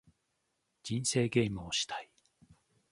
人生ゲームをしたい